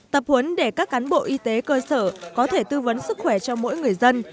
tập huấn để các cán bộ y tế cơ sở có thể tư vấn sức khỏe cho mỗi người dân